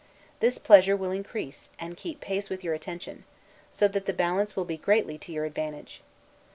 This pleasure will increase, and keep pace with your attention; so that the balance will be greatly to your advantage.